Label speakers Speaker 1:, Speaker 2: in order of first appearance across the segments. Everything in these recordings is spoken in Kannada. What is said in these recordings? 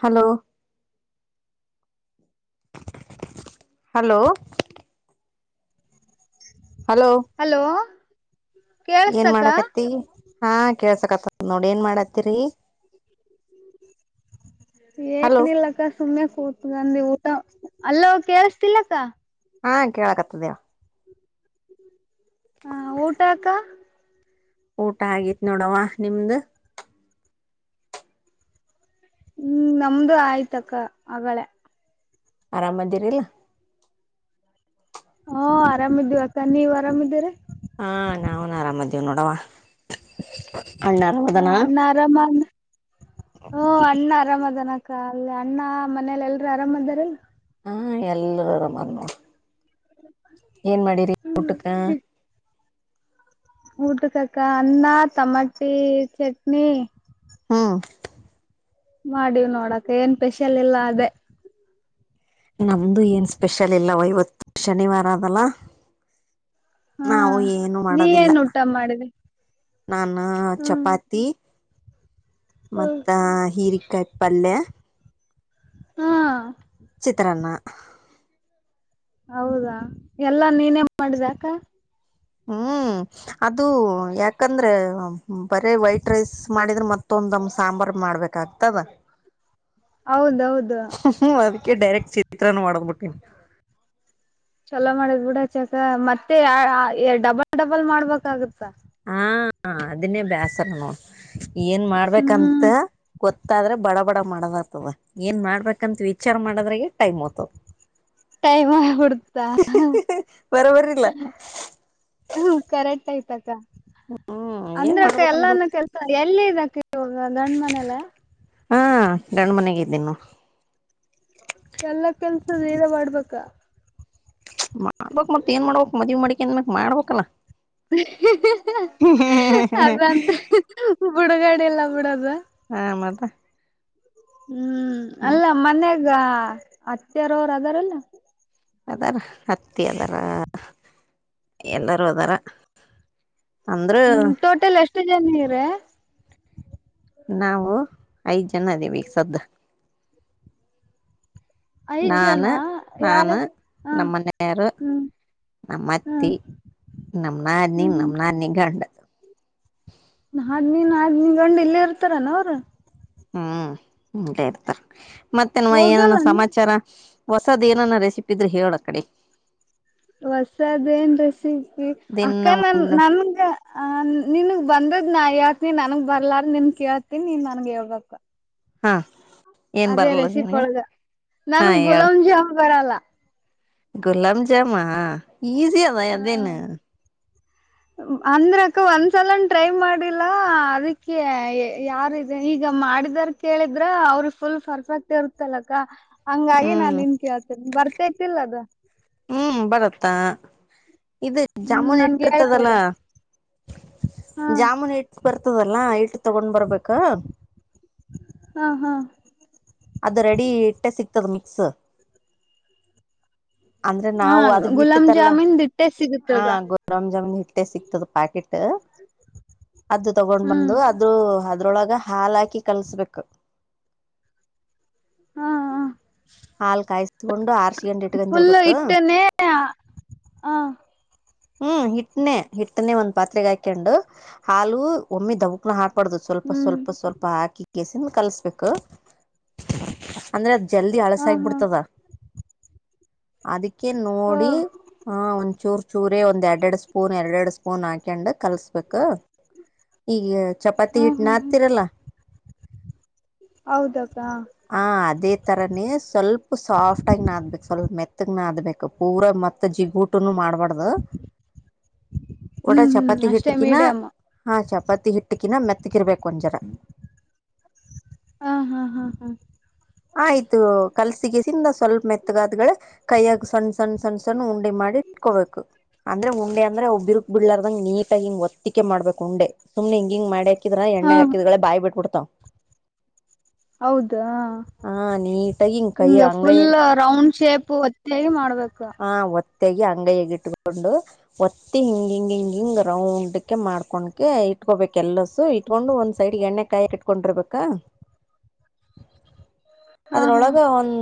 Speaker 1: ಹಲೋ ಹಲೋ ಹಲೋ
Speaker 2: ಹಲೋ
Speaker 1: ಏನ್
Speaker 2: ಕೇಳಸ್ತಕ್ಕ
Speaker 1: ಮಾಡಕತಿ ಹಾ ಕೇಸಕತ್ತ ನೋಡ್ ಏನ್ ಮಾಡತ್ತರಿ ಹಲೋ
Speaker 2: ಏನಿಲ್ಲಕ್ಕ ಸುಮ್ಮನೆ ಕೂತಕಂದಿ ಊಟ ಹಲ್ಲೊ ಕೇಳಳ್ಸ್ತಿಲ್ಲಕ್ಕ
Speaker 1: ಹಾ ಕೇಳಕತ್ತದ್ ಹೇಳು
Speaker 2: ಹ ಊಟಾ ಅಕ್ಕ
Speaker 1: ಊಟ ಆಗಿತ್ ನೋಡವ ನಿಮ್ದು
Speaker 2: ಹ್ಮ್ ನಮ್ದು ಆಯ್ತ ಅಕ್ಕ ಅಗಳೆ
Speaker 1: ಆರಾಮದಿರಿಲ್ಲ
Speaker 2: ಹಾ ಆರಾಮ್ ಇದೀವಕ್ಕ ನೀವ್ ಆರಾಮ್ದೀರಿ
Speaker 1: ಹಾ ನಾವುನು ಆರಾಮದ್ದಿವ್ ನೋಡವಾ
Speaker 2: ಹ ಅನ್ನ ಆರಾಮ ಅಂದು ಹ್ಮೊ ಅಣ್ಣ ಅರಾಮ ಅದನಕ್ಕ ಅಲ್ಲಿ ಅಣ್ಣ ಮನೇಲೆ ಎಲ್ರು ಆರಾಮ್ದಾರಿಲ್
Speaker 1: ಹಾ ಎಲ್ರು ಅರಮವ್ರ್ ನೊಡು
Speaker 2: [unintelligible]
Speaker 1: ಏನ್ ಮಾಡಿರಿ ಊಟಕ್ಕೆ
Speaker 2: ಊಟಕ್ಕಕ್ಕ ಅನ್ನ ತಟಮಟಿ ಚಟ್ನಿ
Speaker 1: ಹಾಂ
Speaker 2: ಮಾಡೀವ್ ನೋಡಕ ಏನ್ ಸ್ಪೆಷಲ್ ಇಲ್ಲ ಅದೇ
Speaker 1: ನಮ್ದು ಏನ್ ಸ್ಪೆಷಲ್ ಇಲ್ಲವ ಇವತ್ತು ಶನಿವಾರ ಅದಲ್ಲ
Speaker 2: ಹಾ
Speaker 1: ನಾವು ಏನು
Speaker 2: ನೀ
Speaker 1: ಮಾಡೋದಿಲ್ಲ
Speaker 2: ಏನ್ ಊಟ ಮಾಡಿದೆ
Speaker 1: ನಾನ
Speaker 2: ಹ್ಮ್
Speaker 1: ಚಪಾತಿ
Speaker 2: ಹ್ಮ್
Speaker 1: ಮತ್ತ ಹೀರಿಕಾಯಿ ಪಲ್ಯ
Speaker 2: ಹಾ
Speaker 1: ಚಿತ್ರಾನ್ನ
Speaker 2: ಹೌದಾ ಎಲ್ಲಾ ನೀನೆ ಮಾಡಿದ್ಯಾಕ
Speaker 1: ಹ್ಮ್ ಅದು ಯಾಕಂದ್ರೆ ಬರೇ ವೈಟ್ ರೈಸ್ ಮಾಡಿದ್ರೆ ಮತ್ತ ತೊಂದಮ ಸಾಂಬಾರ್ು ಮಾಡ್ಬೇಕ ಆಗ್ತದ [unintelligible]
Speaker 2: ಹೌದು ಹೌದು
Speaker 1: ಹ್ಮ ಅದಕ್ಕೆ ಡೈರೆಕ್ಟ್ ಚಿತ್ರನ ಮಾಡದ್ಬಿಟ್ಟೆ [unintelligible]
Speaker 2: ಚಲೋ ಮಾಡಿದ್ ಬಿಡ ಚಕ ಮತ್ತೆ ಡಬಲ್ ಡಬಲ್ ಮಾಡ್ಬೇಕಾಗತ್ತಾ
Speaker 1: ಹಾ ಅದನ್ನೇ ಬೇಸರನು ಏನ್
Speaker 2: ಹ್ಮ್
Speaker 1: ಮಾಡ್ಬೇಕಂತ ಗೊತ್ತಾದ್ರೆ ಬಡ ಬಡ ಮಾಡದಾಗ್ತದ ಏನ್ ಮಾಡ್ಬೇಕಂತ ವಿಚಾರ ಮಾಡದ್ರಾಗ ಟೈಮ್ ಆಗ್್ತದ
Speaker 2: ೈಮ ಕೊತಾ
Speaker 1: ಬರೋಬರಿಲ್ಲ
Speaker 2: ಹ್ಮ ಕರೆಕ್ಟ್ ಐಪ್ಕ್ಕ
Speaker 1: ಹ್ಮ್ ಏನ್
Speaker 2: ಅಂದ್ರಕ್ಕ
Speaker 1: ಮಾಡ್ಬೇಕನ್
Speaker 2: ಎಲ್ಲಾನ
Speaker 1: ಗೊತ್ತ
Speaker 2: ಕೆಲ್ಸ ಎಲ್ಲಿ ಇದಕ್ಕ ಇವ ಗಂಡ ಮನೇಲೆ
Speaker 1: ಹಾ ಗಂಡ ಮನೆಗ ಇದ್ದೀನು
Speaker 2: ಎಲ್ಲ ಕೆಲ್ಸದರ ಮಾಡ್ಬೇಕಾ
Speaker 1: ಮಾಡ್ಬೇಕಕ್ ಮತ್ತತ್ ಏನ್ ಮಾಡ್ಬೇಕಕ್ ಮದ್ ಮಾಡಿಕೇನ್ ಮಕ್ ಮಾಡ್ಬೇಕಲ್ಲಾ
Speaker 2: ಅದಂತ ಬಿುಡುಗಡೆ ಎಲ್ಲ ಬಿಡದು
Speaker 1: ಹಾ ಮದ
Speaker 2: ಹ್ಮ್ ಅಲ್ಲ ಮನ್ಯಾಗ ಹತ್ತರವರು ಅದಾರಲ್ಲ
Speaker 1: ಅದಾರ ಹತ್ತಿ ಅದಾರ ಎಲ್ಲಾರೂ ಅದಾರ ಅಂದ್ರ
Speaker 2: [unintelligible]
Speaker 1: ನಾವು ಐದು ಜನ ಇದ್ದೀವಿ ಈ ಸದ್
Speaker 2: ಐದ್ ಜನ
Speaker 1: ನಾನು
Speaker 2: ಯಾರ
Speaker 1: ನಾನಾ
Speaker 2: ಹ
Speaker 1: ನಮ್ಮನೆಯವರು
Speaker 2: ಹ್ಮ್ ಹ್ಮ್
Speaker 1: ನಮ್ಮತ್ತಿ ನಮನಾಾನಿ
Speaker 2: ಹ್ಮ್ ಹ್ಮ್
Speaker 1: ನಮ ನಾನಿ ಗಂಡ್ [unintelligible]
Speaker 2: [unintelligible]
Speaker 1: ಹ್ಮ್ ಇರ್ತಾರ ಮತ್ತೆ ನವ ಏನನು
Speaker 2: ಹೋಗಲ್ಲನ
Speaker 1: ಸಮಾಚಾರ [unintelligible] ಹೊಸದ್ ಏನನ್ನ ರೆಸಿಪಿದ್ರೆ ಹೇಳ ಕಡೆ
Speaker 2: ಹೊಸದೇನ್ ರೆಸಕ್ಿ
Speaker 1: ದಿನ
Speaker 2: ಅಕ್ಕ ನನ್
Speaker 1: ಉಂಡ
Speaker 2: ನಮಗ ಆ ನಿನ್ಗ್ ಬಂದದ್ ನಾ ಹೇಳ್ತನಿ ನನ್ಗ್ ಬರ್ಲಾರ ನಿನ್ ಕೇಳ್ತೀನಿ ನನ್ಗ್ ಹೇಳ್ಬೇಕಕ್
Speaker 1: ಹಾ ಏನ್
Speaker 2: ಅದೇ
Speaker 1: ಬರಲ್ಲ
Speaker 2: ರೆಸೀಪ್
Speaker 1: ನಿನಗ
Speaker 2: ಒಳಗ
Speaker 1: ಹಾ
Speaker 2: ನನ್
Speaker 1: ಹೇಳ
Speaker 2: ಗುಲಂ್ಜ ಬರಲ್ಲ
Speaker 1: ಗುಲಾಬ್ ಜಾಮ ಈಸಿ ಅದ
Speaker 2: ಹಾ
Speaker 1: ಅದೇನು [unintelligible]
Speaker 2: ಅಂದ್ರಕ್ಕ ಒಂದ್ಸಲನ್ ಟ್ರೈ ಮಾಡಿಲ್ಲ ಅದಕ್ಕೆ ಯಾರ ಇ ಈಗ ಮಾಡಿದಾರ ಕೇಳಿದ್ರ ಅವ್ರ ಫುಲ್ ಪರ್ಫೆಕ್ಟ್ ಇರುತ್ತಲ್ಲಕ್ಕ ಹಂಗಾಗಿ
Speaker 1: ಹ್ಮ್
Speaker 2: ನಾನ್ ನಿನ್ ಕೇ ಹಳ್ತೇನೆಿ ಬರ್ತರ್ತಿಲ್ಲ ಅದು
Speaker 1: ಹ್ಮ್ ಬರತ್ತಾ ಇದು
Speaker 2: ಹ್ಮ್
Speaker 1: ಜಾಮೂನ್
Speaker 2: ನನ್ಗೆ
Speaker 1: ಇಟ್ಟಿರ್ತದಲ್ಲ
Speaker 2: ಹೇಳ್ಕೊಡು ಹಾ
Speaker 1: ಜಾಮೂನ್ ಇಟ್ಟು ಬರ್ತದಲ್ಲ ಇಟ್ಟು ತಗೊಂಡ್ ಬರ್ಬೇಕ
Speaker 2: ಹಾ ಹಾ
Speaker 1: ಅದು ರೆಡಿ ಇಟ್ಟೆ ಸಿಗ್ತದ ಮಿಕ್ಸ್ ಅಂದ್ರೆ
Speaker 2: ಹಾ
Speaker 1: ನಾವು ಅದ
Speaker 2: ಗುಲಾಬ್
Speaker 1: ಇಟ್ಟತಲ್ಲ
Speaker 2: ಜಾಮೀನ್ ದಿಟ್ಟೆ
Speaker 1: ಆ
Speaker 2: ಸಿಗುತ್ತದ
Speaker 1: ಗೊ ರಾಮ್ ಜಾಮ್ ಹಿಟ್ಟೆ ಸಿಕ್ತದ ಪಾಕಿಟ್ ಅದ್ ತಗೊಂಡ್
Speaker 2: ಹ್ಮ್
Speaker 1: ಬಂದು ಅ. ದ್ರು ಅದ್ರೊಳಗ ಹಾಲ್ ಹಾಕಿ ಕಾಲ್ಸ್ಬೇಕು.
Speaker 2: ಹಾ ಹ
Speaker 1: ಹಾಲ್ ಕಾಯ್ಸ್ಕೊಂಡು ಆರ್ಶಕೆಂದ್ ಇಟ್ಕಂದ್ದಿರ್ಬೇಕು.
Speaker 2: ಹಾ.
Speaker 1: ಹ್ಮ್ ಹಿಟ್ನೆ ಹಿಟ್ಟನಿ ಒಂದ್ ಪಾತ್ರೆಗಕೆಂಡು ಹಾಲು. ಒಮ್ಮಿ ದವುಕ್ನ ಹಾಕಬಾರ್ದು ಸ್ವಲ್ಪ
Speaker 2: ಹ್ಮ್
Speaker 1: ಸ್ವಲ್ಪ ಸ್ವಲ್ಪ ಹಾಕಿ. ಸುಮ್ ಕಲಸ್ಬೇಕು. ಅಂದ್ರೆ ಅದ್ ಜಲ್ದಿ
Speaker 2: ಹಾ ಹಾ
Speaker 1: ಅಳಿಸಾಗ್ಬಿಡ್ತದ ಅದಿಕೆ
Speaker 2: ಹೋ
Speaker 1: ನೋಡಿ. ಹಾ ಒಂದ್ ಚೂರ್ ಚೂರೆ ಒಂದ್ ಎರಡ್ ಎರಡ್ ಸ್ಪೂನ್ ಎರಡ್ ಎರಡ್ ಸ್ಪೂನ್ ಹಾಕಂಡು ಕಲ್ಸ್ಬೇಕು. ಈಗ ಚಪಾತಿ
Speaker 2: ಹ್ಮ
Speaker 1: ಹಿಟ್
Speaker 2: ಹ್ಮ್ ಹ್ಮ್
Speaker 1: ನತ್ತಿರಲ.
Speaker 2: ಹೌದಕ್ಕ.
Speaker 1: ಹ ಅದೇ ತರಾನೇ ಸ್ವಲ್ಪ್ ಸಾಫ್ಟಗ್ ನಾದ್ಬೇಕು ಸ್ವಲ್ಪ್ ಮೆತ್ತಗ್ ನಾದ್ಬೇಕು. ಪೂರ ಮತ್ ಜಿಗುಟುನು ಮಾಡ್ಬಾರ್ದು. ಒಟ
Speaker 2: ಹ್ಮ್ ಹ್ಮ್
Speaker 1: ಚಪಾತಿ
Speaker 2: ಅಷ್ಟೇ
Speaker 1: ಹಿಟ್ಕಿನ.
Speaker 2: ಮೀಡಿಯಮ್
Speaker 1: ಹಾ ಚಪಾತಿ ಹಿಟ್ಕಿನ ಮೆತ್ಗಿರ್ಬೇಕು ಒಂಜರ
Speaker 2: ಹಾ ಹಾ ಹಾ ಹಾ.
Speaker 1: ಆಯ್ತು ಕಲ್ಸಿಗೆಸಿಂದ ಸ್ವಲ್ಪ ಮೆತ್ತಗಾದ್ಗಳೆ. ಕೈಯ್ಯಾಗ್ ಸಣ್ ಸಣ್ ಸಣ್ ಸಣ್ ಉಂಡಿ ಮಾಡ್ ಇಟ್ಕೋಬೇಕು. ಅಂದ್ರೆ ಉಂಡೆ ಅಂದ್ರೆ ಅವ್ ಬೀರ್ಕ್ ಬಿಡ್ಲರ್ದಂಗ್ ನೀಟಾಗಿ ಹಿಂಗ್ ಒತ್ತಿಕೆಂದ್ ಮಾಡ್ಬಕ್ ಉಂಡೆ ಸುಮ್ನೆ ಹಿಂಗ್ ಹಿಂಗ್ ಮಾಡ್. ಕಿದ್ರ ಎಣ್ಣೆಗ್
Speaker 2: ಹಾ
Speaker 1: ಹಾಕಿದ್ಗುಳೆ ಬಾಯಿ ಬಿಟ್ ಬಿಡ್ತಾವ.
Speaker 2: ಹೌದಾ.
Speaker 1: ಆ ನೀಟಾಗಿ ಹಿಂಗ್ ಕೈ
Speaker 2: ಹಿಂಗ ಫುಲ್
Speaker 1: ಅಂಗೈಯ
Speaker 2: ರೌಂಡ್ ಶೇಪ್ ಹೊತ್ತಿ ಮಾಡ್ಬೇಕು.
Speaker 1: ಹಾ ಓತ್. ತಗಿ ಅಂಗೈಯಗ್ ಇಟ್ಕೊಂದು. ಒತ್ತಿ ಹಿಂಗ್ ಹಿಂಗ್ ಹಿಂಗ್ ಹಿಂಗ್ ರೌಂಡುಕೆ ಮಾಡ್ಕೊನಕೆ ಇಟ್ಕೊಬೇಕ್ ಎಲ್ಲಸು. ಇಟ್ಕೊಂಡು ಒಂದ್ ಸೈಡ್ಗ್ ಎಣ್ಣೆ ಕಾಯಕ್ ಇಟ್ಕೊಂಡಿರ್ಬೇಕಾ.
Speaker 2: ಹಾ ಹಾ
Speaker 1: ಅದ್ರೊಳಗ ಒಂದ್.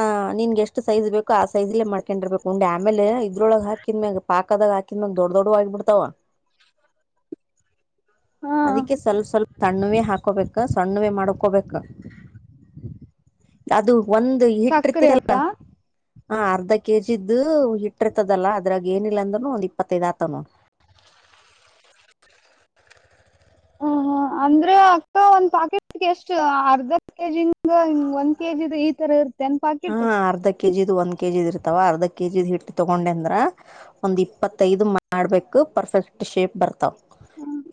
Speaker 1: ಆ ನಿನ್ಗೆಷ್ಟು ಸೈಜ್ ಬೇಕೊ ಆ ಸೈಜಲ್ಲೇ ಮಾಡ್ಕೊಂಡಿರ್ಬೇಕ್ ಉಂಡೆ ಆಮೇಲೆ ಇದ್ರೊಳಗ್ ಹಾಕಿದ್ಮ್ಯಾಗ. ಪಾಕದಾಗ್ ಹಾಕಿಮೆಗ್ ದೊಡ್ ದೊಡ್ಡವ್ ಆಗಬಿಡ್ತಾವ.
Speaker 2: ಹಾ
Speaker 1: ಅದಿಕ್ಕೆ ಸ್ವಲ್ಪ್ ಸ್ವಲ್ಪ್ ಸಣ್ಣವೇ ಹಾಕೋಬೇಕ ಸಣ್ಣವೇ ಮಾಡ್ಕೋಬೇಕ. ಅದು ಒಂದ್
Speaker 2: ಸಕ್ರೆ ಅಕ್ಕ
Speaker 1: ಹಿಟಿರ್ತೀರಲ್ಲ. ಹ ಅರ್ಧ ಕೆಜಿದು ಇಟ್ಟಿರ್ತದಲ್ಲ ಅದ್ರಾಗ್ ಏನಿಲ್ ಅಂದ್ರೂನು ಒಂದ್ ಇಪ್ಪತ್ತೈದ್ ಆತವ್ ನೋಡ್.
Speaker 2: ಹ ಹ
Speaker 1: [inaudible]
Speaker 2: ಅಂದ್ರೆ ಅಕ್ಕ ಒಂದ್ ಪಾಕೆಟ್ಗೆ ಎಷ್ಟು ಅರ್ಧ ಕೆಜಿಂಗ ಒಂದ್ ಕೆಜಿ ಇತರ ಇರ್ತ.
Speaker 1: ಹಾ ಅರ್ಧ ಕೆಜಿದು ಒಂದ್ ಕೆಜಿದು ಇರ್ತವ ಅರ್ಧ ಕೆಜಿದ್ ಹಿಟ್ ತೊಗೊಂಡೆಂದ್ರ. ಒಂದ್ ಇಪ್ಪತ್ತೈದು ಮಾಡ್ಬೇಕು ಪರ್ಫೆಕ್ಟ್ ಶೇಪ್ ಬರ್ತಾವ್.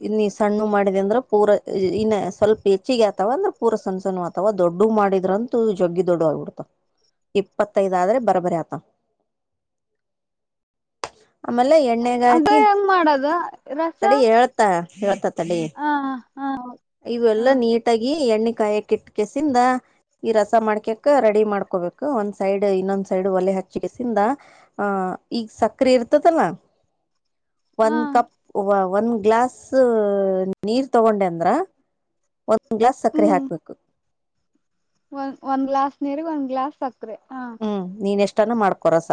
Speaker 1: ಇನ್ ನೀ ಸಣ್ಣುವ್ ಮಾಡಿದಂದ್ರ ಪೂರ ಇನ್ನ ಸ್ವಲ್ಪ್. ಹೆಚ್ಚಿಗ್ಯಾತವಂದ್ರ ಪೂರ ಸಣ್ ಸಣ್ಣುವ್ ಆತವ ದೊಡ್ದುವ್ ಮಾಡಿದ್ರಂತೂ ಜಗ್ಗಿ ದೊಡುವ್ ಆಗ್ಬಿಡ್ತಾವ್. ಇಪ್ಪತ್ತೈದ್ ಆದ್ರೆ ಬರಬ್ಬರಿ ಆತವ್ ಆಮೇಲೆ ಎಣ್ಣೆ.
Speaker 2: ಅದೆ ಹೆಂಗ್ ಮಾಡದ ರಸ.
Speaker 1: ತ್ತ ಹೇಳ್ತ ತಡಿ
Speaker 2: ಹ ಹ
Speaker 1: ಇವ್
Speaker 2: ಹ
Speaker 1: ಎಲ್ಲಾ ನೀಟಾಗಿ ಎಣ್ಣೆ ಕಾಯಕಿಟ್. ಕೆಸಿಂದ ಈ ರಸ ಮಾಡ್ಕಕ್ ರೆಡಿ ಮಾಡ್. ಮಾಡ್ಕೋಬೇಕು ಒಂದ್ ಸೈಡ್ ಇನ್ನೊಂದ್ ಸೈಡ್ ಒಲೆ ಹಚ್ಚಿಕೆಸಿಂದ. ಆ ಇಗ್ ಸಕ್ರಿ ಇರ್ತತಲ
Speaker 2: ಹ
Speaker 1: ಒಂದ್ ಕಪ್. ಒಂದ್ ಗ್ಲಾಸ್ ನೀರ್ ತಗೊಂಡೆಂದ್ರ ಒಂದ್ ಗ್ಲಾಸ್ ಸಕ್ರೆ ಹಾಕ್ಬೇಕ್.
Speaker 2: ಒನ್ ಒಂದ್ ಗ್ಲಾಸ್ ನೀರಿಗ್ ಒಂದ್ ಗ್ಲಾಸ್ ಸಕ್ರೆ ಹ.
Speaker 1: ಹ್ಮ್ ನೀನ್ ಎಷ್ಟಾನ ಮಾಡ್ಕೊ ರಸ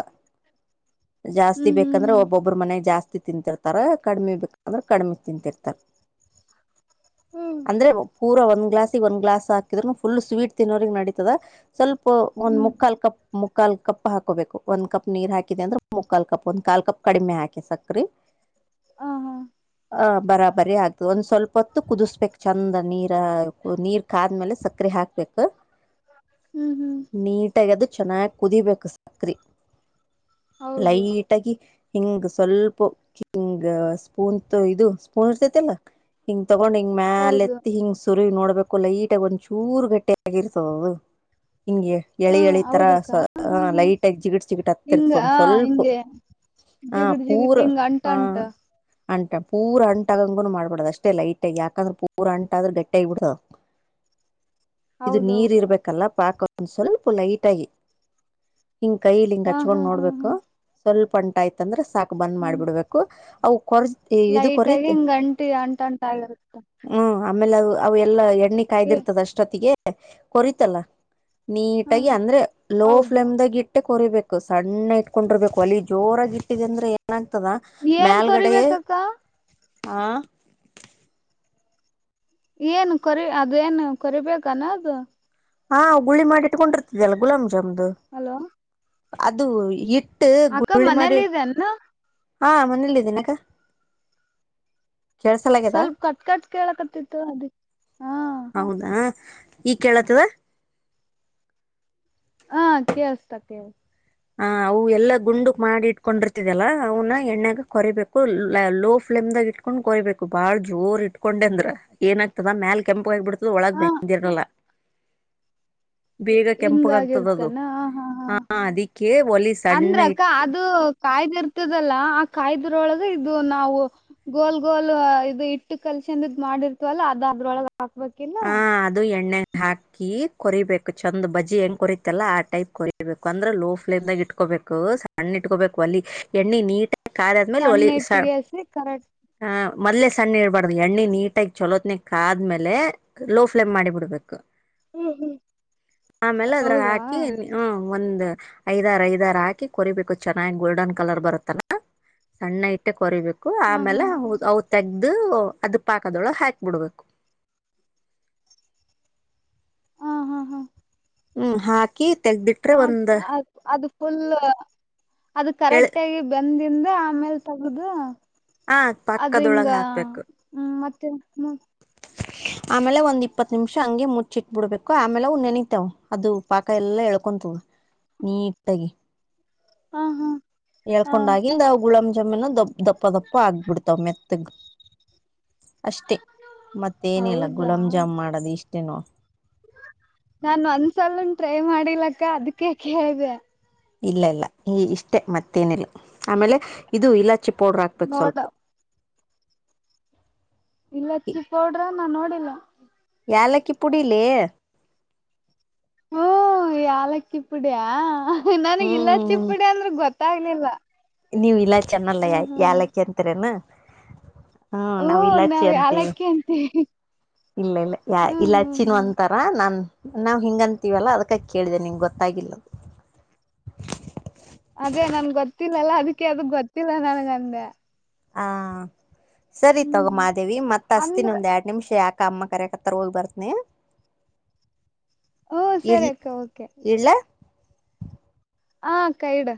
Speaker 1: ಜಾಸ್ತಿ
Speaker 2: ಹ್ಮ್
Speaker 1: ಬೇಕ್.
Speaker 2: ಹ್ಮ್
Speaker 1: ಯಾಕಂದ್ರೆ
Speaker 2: ಹ್ಮ್
Speaker 1: ಒಬ್ಬೊಬ್ರ ಮನೆಗ್ ಜಾಸ್ತಿ ತಿಂತಿರ್ತಾರ ಕಡಿಮೆ ಬೇಕಂದ್ರೆ ಕಡಿಮೆ ತಿಂತಿರ್ತಾರ.
Speaker 2: ಹ್ಮ್
Speaker 1: ಅಂದ್ರೆ ಪೂರಾ ಒಂದ್ ಗ್ಲಾಸಿಗ್ ಒಂದ್ ಗ್ಲಾಸ್. ಹಾಕಿದ್ರೂನು ಫುಲ್ ಸ್ವೀಟ್ ತಿನ್ನೋರಿಗ್ ನೆಡಿತದ ಸ್ವಲ್ಪು ಒಂದ್
Speaker 2: ಹ್ಮ್
Speaker 1: ಮುಕ್ಕಾಲ್ ಕಪ್. ಮುಕ್ಕಾಲ್ ಕಪ್ ಹಾಕೋಬೇಕು ಒಂದ್ ಕಪ್ ನೀರ್ ಹಾಕಿದೆ ಅಂದ್ರೆ ಮುಕ್ಕಾಲ್ ಕಪ್ ಒಂದ್ ಕಾಲ್ ಕಪ್ ಕಡಿಮೆ ಹಾಕಿ ಸಕ್ರೆ. [unintelligible]
Speaker 2: ಹ ಹಾ
Speaker 1: ಆ ಬರಾಬರಿ ಆಗ್ತು ಒಂದ ಸ್ವಲ್ಪ ಹೊತ್ತು ಕುದಿಸ್ಬೇಕು ಚೆಂದ ನೀರ ನೀರು ಕಾದ್ಮೇಲೆ ಸಕ್ಕರೆ ಹಾಕ. ಬೇಕ್.
Speaker 2: ಹ್ಮ್ ಹ್ಮ್.
Speaker 1: ನೀಟಾಗಿ ಅದು ಚೆನ್ನಾಗಿ ಕುದಿಬೇಕು ಸಕ್ರಿ
Speaker 2: ಹೌದು
Speaker 1: ಲೈಟ್. ಒಟ್ಟಾಗಿ ಹಿಂಗ ಸ್ವಲ್ಪ ಹಿಂಗ ಸ್ಪೂನ ತೊಂದ ಇದು ಸ್ಪೂನ್ ಇರ್ತೈತಿಲ್ಲ. ಹಿಂಗ್ ತಗೊಂಡ್ ಹಿಂಗ ಮ್ಯಾಲೆ
Speaker 2: ಹೌದು
Speaker 1: ಎತ್ತಿ ಹಿಂಗಸ. ಸುರಿ ನೋಡ್ಬೇಕು ಲೈಟ್ ಆಗ ಒಂದ್ ಚೂರು ಗಟ್ಟೆ ಆಗಿರ್ತದ ಅದು ಹಿಂಗೆ. ಎಳಿ
Speaker 2: ಹಾ
Speaker 1: ಎಳಿ ತರ
Speaker 2: ಹೌದಕ್ಕ ಹಾ ಹಾ
Speaker 1: ಲೈಟ್ ಆಗಿ ಜಿಗ ಜಿಗಿಟ್
Speaker 2: ಹಿಂಗ
Speaker 1: ಹತ್ತಿರ್ತ್ಕೊಂಡ್
Speaker 2: ಆ
Speaker 1: ಸ್ವಲ್ಪ.
Speaker 2: ಹಿಂಗೆ
Speaker 1: ಹಾ
Speaker 2: ಜಿಗಟ್
Speaker 1: ಪೂರ
Speaker 2: ಜಿಗಟ್ ಹಿಂಗ ಅಂಟ
Speaker 1: ಹಾ.
Speaker 2: ಅಂಟ
Speaker 1: ಅಂಟ ಪೂರಾಂಟ ಆಂಗೂ ಮಾಡ್ಬಾರಡ್ದ ಅಷ್ಟೇ ಲೈಟ್ ಆಗಿ ಯಾಕಂದ್ರೆ ಪೂರ ಅಂಟ ಆದ್ರೆ ಗಟ್ಟಿ ಆಗಬಡ್ಡತ. ಇದು ನೀರಿ
Speaker 2: ಹೌದೌದು
Speaker 1: ಇರ್ಬೇಕಲ್ಲ ಪಾಕ ಒ ಸ್ವಲ್ಪ ಲೈಟ ಆಗಿ. ಹಿಂಗ್ ಕೈಯಲಿ ಹಿಂಗ
Speaker 2: ಹಾ ಹಾ
Speaker 1: ಹಚ್ಕೊಂಡ್
Speaker 2: ಹಾ ಹಾ
Speaker 1: ನೋಡ್ಬೇಕು. ಸ್ವಲ್ಪ ಉಂಟ ಆಯ್ತಂದ್ರೆ ಸಾಕು ಬಂದ್
Speaker 2: ಹ್ಮ್
Speaker 1: ಮಾಡ್ಬಿಡ್ಬೇಕು ಅವು ಕೊರ್. ಇದು
Speaker 2: ಲೈಟ್ ಆಗಿ
Speaker 1: ಕೊರಿತ್
Speaker 2: ಹಿಂಗಗೆ ಅಂಟಿ ಅಂಟು ಅಂಟ ಆಗಿರುತ್ತೆ.
Speaker 1: ಹ್ಮ್ ಆಮೇಲೆ ಅ ಅ ಎಲ್ಲಾ ಎಣ್ಣೆ
Speaker 2: ಏ
Speaker 1: ಕಾಯ್ದಿರ್ತದ ಅಷ್ಟೊತ್ತಿಗೆ. ಕೊರಿತಲ್ಲ
Speaker 2: ಹಾ
Speaker 1: ನೀಟಾಗಿ ಅಂದ್ರೆ ಲೋ
Speaker 2: ಹೌದು
Speaker 1: ಫ್ಲೇಮ್್ದಾಗ ಇ. ಕೊರಿಬೇಕು ಸಣ್ಣ ಇಟ್ಕೊಂಡಿರ್ಬೇಕು ಅಲ್ಲಿ ಜೋರಾಗಿ ಇಟ್ಟಿದೆ ಅಂದ್ರೆ. ಚನ್ನಾಗ್ತದಾ
Speaker 2: ಏನ್
Speaker 1: ಮ್ಯಲ್ಗಡೆ
Speaker 2: ಕೊರಿಬೇಕಕ್ಕ
Speaker 1: ಹ.
Speaker 2: ಏನು ಕೊರಿ ಅದೇಏನು ಕೊರಿಬೇಕಾನ ಅದು.
Speaker 1: ಹಾ ಗುಳ್ಳಿ ಮಾಡಿ ಇಟ್ಕೊಂಡಿರ್ತಿದ್ಯಲ್ಲ ಗುಲಾಂ ಜಾಮ್್ದು.
Speaker 2: ಹಲೋ.
Speaker 1: ಅದು ಇಟ್ಟು
Speaker 2: ಅಕ್ಕ
Speaker 1: ಗುರುಳ್ಳಿ ಮಾಡಿ.
Speaker 2: ಮನೇಲಿ ಇದೆನ್ನ
Speaker 1: ಹಾ ಮನೇಲ್ಲಿದ್ದೀನಿ ಯಾಕ. ಕೇಳ್ಸಲಾಗ್ಯದ
Speaker 2: ಸ್ವಲ್ಪ ಕಟ್ ಕಟ್ ಕೇಳಕತ್ತಿತ್ತು ಅದಿಕ್ಕೆ ಹಾ
Speaker 1: ಹೌದಾ. ಈ ಕೇಳತ್ವ.
Speaker 2: ಹಾ ಕೇಳ್ಸ್ತಾ ಕೇೇಳತಾ.
Speaker 1: ಹ ಅವು ಎಲ್ಲಾ ಗುಂಡಕ್ ಮಾಡಿ ಇಟ್ಕೊಂಡಿರ್ತಿದಲ್ಲಾ ಅವನ್ನ ಎಣ್ಣ್ಯಾಗ ಕೊರಿಬೇಕು ಲಾ ಲೋ ಫ್ಲೇಮ್ಾಗ ಇೊಂಡ. ಇಕೊಂಡ್ ಕೊಯಬೇಕು ಬಾಳ ಜೋರ್ ಇಟ್ಕೊಂಡೆ ಅಂದ್ರ ಏನ ಆಗ್ತದ ಮೇಲ್ ಕೆಂಪು ಆಗಿಬಿಡ್ತ. ಒಳಗ್
Speaker 2: ಹಾ
Speaker 1: ಬಂದಿರ್ನಲ್ಲ.
Speaker 2: ಹಿಂಗಾಗಿರ್ತಾನ ಹ ಹಾ ಹಾ
Speaker 1: ಅದಿಕ್ಕೆ ಒಲಿ ಸಣ್ಣ
Speaker 2: ಅಂದ್ರ.
Speaker 1: ಇಟ್
Speaker 2: ಅದು ಕಾಯ್ದ ಇರ್ತದಲ್ಲ ಆ ಕಾಯ್ದರೊಳಗೆ ಇದು ನಾವು. ಗೋಲ್ ಗೋಲ್ ಇದು ಇಟ್ಟು ಕಲ್ಸಿಂದ ಇದ್ ಮಾಡಿರ್ತವಲ್ಲ ಅದ ಅದ್ರೊಳಗ ಹಾಕ್ಬೇಕಿಲ್ಲ
Speaker 1: ಹ ಅದು ಎಣ್ಣೆ ಹಾಕ್. ಹಕಿ ಕೊರಿಬೇಕು ಚಂದ್ ಬಜಿ ಹೆಂಗ ಕೊರಿತಲ್ಲ ಆ ಟೈಪ್. ಕೊರಿೀಬೇಕು ಅಂದ್ರೆ ಲೋ ಫ್ಲೇಮ್ ದಾಗ ಇಟ್ಕೋಬೇಕು ಸಣ್ಣಿಟ್ಕೊಬೇಕು ಒಲಿ ಎಣ್ಣೆ ನೀಟಾಗಿ ಕಾದಾದ್ಮೇಲೆ ಒಲಿ
Speaker 2: ಸಣ್ಣ
Speaker 1: ಸ.
Speaker 2: ಇಟ್ಟಿಗೆ ಹಸಿ ಕರೆಕ್ಟ್
Speaker 1: ಹ ಮೊಲೇ ಸಣ್ಣ ಇಳ್ಬಾರ್ದು ಎಣ್ಣೆ ನೀಟಾಗಿ ಚಲೋತ್ನ ಕ ಆದ್ಮೇಲೆ. ಲೋ ಫ್ಲೇಮ್ ಮಾಡಿ ಬಿಿಡ್ಬೇಕು ಆಮೇಲೆ ಅದ್ರ
Speaker 2: ಹೌದಾ
Speaker 1: ಹಾಕಿ. ಹ ಒಂದ್ ಐದಾರ ಐದಾರು ಹಾಕಿ ಕೊರಿಬೇಕು ಚೆನ್ನಾಗಿ ಗೋಲ್ಡನ್ ಕಲರ್ ಬರುತ್ತನ. ಸಣ್ಣ ಇಟ್ಟೆ ಕೊರಿಬೇಕು
Speaker 2: ಹಾ ಹಾ
Speaker 1: ಆಮೇಲೆ ಅವು ತೆೆಗೆದು ಅದು ಪಾಕದೊಳಗೆ ಹಾಕಿಬಿಡ್ಬೇಕು.
Speaker 2: ಹಾ ಹಾ ಹಾ
Speaker 1: ಹ್ಮ್ ಹಾಕಿ ತೆಗಬಿಟ್ರೆ ಒಂದ್.
Speaker 2: ಆ ಅದು ಫುಲ್ ಅದು
Speaker 1: ಎಳ್
Speaker 2: ಕರೆಕ್ಟ್ ಆಗಿ ಬೆಂದಿಂದ ಆಮೇಲ್ ತಗ್ದ.
Speaker 1: ಹಾ
Speaker 2: ಅದು
Speaker 1: ಪಾಕದೊಳಗ
Speaker 2: ಹಿಂಗ
Speaker 1: ಹಾಕ್ಬೇಕು
Speaker 2: ಹ್ಮ ಮತ್ತೆ.
Speaker 1: ಆಮೇಲೆ ಒಂದ ಇಪ್ಪತ್ ನಿಮಿಷ ಹಂಗೆ ಮುಚ್ಚಿಟ್ ಬಿಡ್ಬೇಕು ಆಮೇಲೆ ಅವು ನೆನಿತಾವ ಅದು. ಪಾಕ ಎಲ್ಲ ಎಳ್ಕೊಂತ ನೀಟಾಗಿ.
Speaker 2: ಹ ಹಾ. ಹಾ
Speaker 1: ಹೇಳ್ಕೊಂಡಾಗಿಂದ ಗುಲಂ ಜಾಮೀನ ದ ದಪ್ಪ ದಪ್ಪ ಆಗ್ಬಿಡ್ತಾವ್ ಮೆತ್ತಗ್. ಅಷ್ಟೇ ಮತ್ತೇನಿಲ್ಲ
Speaker 2: ಹೌದಾ
Speaker 1: ಗುಲಾಮ ಜಾಮ್ ಮಾಡದು ಇಷ್ಟೇನು.
Speaker 2: ನಾ ಒಂದ್ಸಲನ್ ಟ್ರೈ ಮಾಡಿಲಕ್ಕ ಅದಕ ಕೇಳ್ದ.
Speaker 1: ಇಲ್ಲಾ ಇಲ್ಲಾ ಈ ಇಷ್ಟೇ ಮತ್ತೇನಿಲ್ ಆಮೇಲೆ ಇದು ಇಲಾಚಿ ಪೌಡರ್ ಹಾಕ್ಬೇಕು ಸ್ವಲ್ಪ.
Speaker 2: ನೋಡ ಇಲಾಚಿ ಪೌಡ್ರ ನಾ ನೋಡಿಲ್ಲ.
Speaker 1: ಯಾಲಕ್ಕಿ ಪುಡಿಲೇ.
Speaker 2: ಓ ಯಾಲಕ್ಕಿ ಪುಡಿಯಾ ನನಗ ಇಲಾಚಿ
Speaker 1: ಹ್ಮ್
Speaker 2: ಪುಡಿ ಅಂದ್ರ ಗೊತ್ತಾಗ್ಲಿಲ್ಲ.
Speaker 1: ನೀವ್ ಇಲಾಚಿ ಅನ್ನಲ್ಲಾ
Speaker 2: ಹ್ಮ್ ಹ್ಮ್
Speaker 1: ಯಾಲಕ್ಕಿ ಅಂತೆರೇನ. ಹ್ಮ್ ನಾವ್
Speaker 2: ಹ್ಮ
Speaker 1: ಇಲಾಚಿ ಅಂತೀವಿ
Speaker 2: ಯಾಲಕ್ಕಿ ಅಂತೀವಿ
Speaker 1: ಇಲ್ಲಾ ಇಲ್ಲಾ ಯಾ
Speaker 2: ಹ್ಮ್ ಹ್ಮ್
Speaker 1: ಇಲಾಚಿನು
Speaker 2: ಹ್ಮ್
Speaker 1: ಅಂತಾರ. ಹಾ ನಾನ್ ನಾವ್ ಹಿಂಗ ಅಂತೀವಲ್ಲ ಅದಕ ಕೇಳಿದೆ ನಿಂಗ್ ಗೊತ್ತಾಗಿಲ್ಲ.
Speaker 2: ಅದೇ ನನಗ್ ಗೊತ್ತಿಲ್ ಅಲಾ ಅದಕ್ಕೆ ಅದು ಗೊತ್ತಿಲ್ಲ ನನಗ್ ಅಂದೆ.
Speaker 1: ಹ ಸರಿ ತಗೊ
Speaker 2: ಹ್ಮ್
Speaker 1: ಮಾದೇವಿ ಮತ್ತ ಹಸ್ತಿನಿ
Speaker 2: ಅಂದ್ರ
Speaker 1: ಒಂದ್ ಎರಡ್. ನಿಮ್ಶ ಯಾಕ ಅಮ್ಮ ಕರ್ಯಾಕ್ ಹತ್ತರ್ ಹೋಗಿ ಬರ್ತನಿ.
Speaker 2: ಓ ಸರಿ
Speaker 1: ಇಡ್ಲ್
Speaker 2: ಅಕ್ಕ ಓಕೆ.
Speaker 1: ಇಡ್ಲಾ.
Speaker 2: ಹಾ ಅಕ್ಕ ಇಡ್.